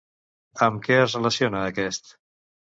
Amb què es relaciona aquest?